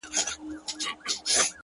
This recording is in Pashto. • گراني په تا باندي چا كوډي كړي؛